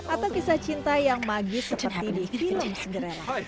atau kisah cinta yang magis seperti di film segera